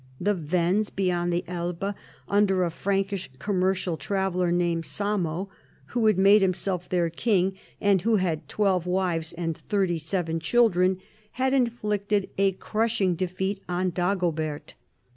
The Wends, beyond the Elbe, under a Frank ish commercial traveller named Samo (who had made himself their king, and who had twelve wives and thirty seven children), had inflicted a crushing defeat on Dagobert.